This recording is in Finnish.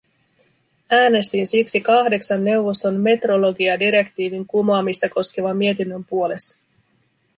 Äänestin siksi kahdeksan neuvoston metrologiadirektiivin kumoamista koskevan mietinnön puolesta.